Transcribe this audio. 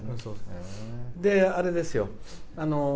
で、あれですよ。